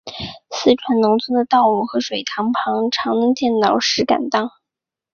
四川农村的道路和水塘旁常能见到石敢当。